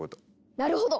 なるほど！